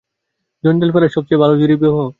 জঞ্জাল ফেলার সব-চেয়ে ভালো ঝুড়ি বিবাহ।